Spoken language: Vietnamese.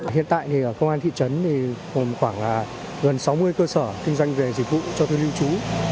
hiện tại thì ở công an thị trấn thì còn khoảng gần sáu mươi cơ sở kinh doanh về dịch vụ cho thuê lưu trú